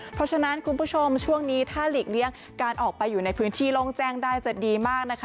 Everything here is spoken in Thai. เพราะฉะนั้นคุณผู้ชมช่วงนี้ถ้าหลีกเลี่ยงการออกไปอยู่ในพื้นที่โล่งแจ้งได้จะดีมากนะคะ